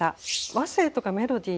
和声とかメロディー